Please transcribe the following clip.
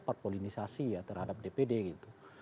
parpolinisasi ya terhadap dpd gitu